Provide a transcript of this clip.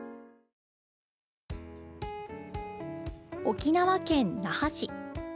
沖縄県那覇市。